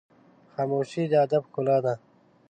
خاموشي، د ادب ښکلا ده.